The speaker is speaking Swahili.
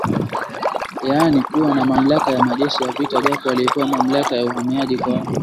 yaani kuwa na mamlaka ya majeshi ya vita japo walipewa mamlaka ya Uhamiaji kwa